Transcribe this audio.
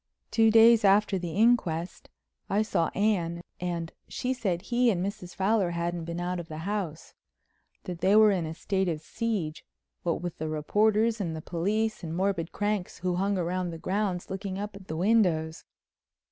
Two days after the inquest I saw Anne and she said he and Mrs. Fowler hadn't been out of the house—that they were in a state of siege what with reporters and the police and morbid cranks who hung round the grounds looking up at the windows.